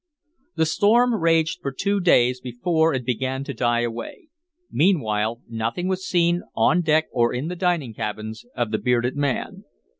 The storm raged for two days before it began to die away. Meanwhile, nothing was seen, on deck or in the dining cabins, of the bearded man.